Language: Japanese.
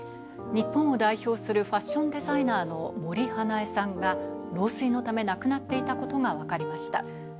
日本を代表するファッションデザイナーの森英恵さんが老衰のため亡くなっていたことがわかりました。